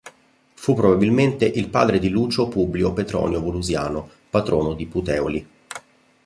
Fu probabilmente il padre di Lucio Publio Petronio Volusiano, patrono di Puteoli.